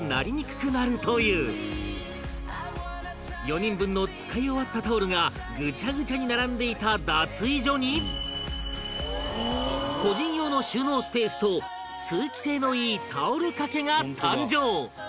４人分の使い終わったタオルがぐちゃぐちゃに並んでいた脱衣所に個人用の収納スペースと通気性のいいタオルかけが誕生